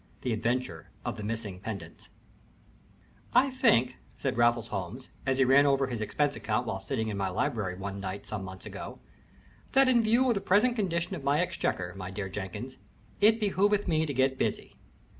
IV THE ADVENTURE OF THE MISSING PENDANTS "I think," said Raffles Holmes, as he ran over his expense account while sitting in my library one night some months ago, "that in view of the present condition of my exchequer, my dear Jenkins, it behooveth me to get busy.